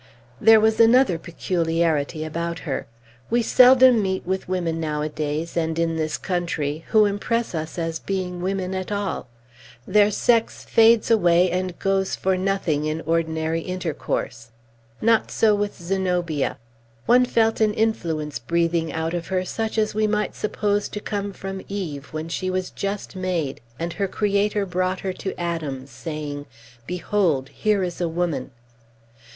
There was another peculiarity about her. We seldom meet with women nowadays, and in this country, who impress us as being women at all, their sex fades away and goes for nothing, in ordinary intercourse. Not so with Zenobia. One felt an influence breathing out of her such as we might suppose to come from Eve, when she was just made, and her Creator brought her to Adam, saying, "Behold! here is a woman!"